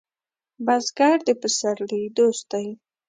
بزګر د پسرلي دوست دی